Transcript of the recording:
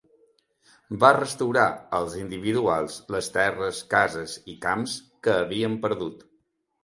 Va restaurar als individuals les terres, cases i camps que havien perdut.